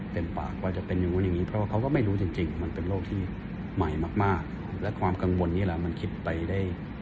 ปากว่าจะเป็นอย่างนู้นอย่างนี้เพราะว่าเขาก็ไม่รู้จริงจริงมันเป็นโรคที่ใหม่มากมากและความกังวลนี้แหละมันคิดไปได้